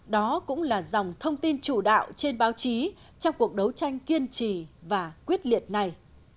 đó cũng là dòng thông tin chủ đạo trên báo chí trong cuộc đấu tranh kiên trì và quyết liệt này